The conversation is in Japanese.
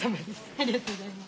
ありがとうございます。